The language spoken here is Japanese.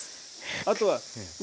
あとはね